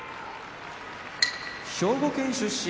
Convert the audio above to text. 兵庫県出身